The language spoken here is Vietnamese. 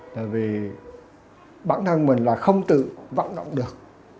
tại vì bản thân mình là không tự vận động được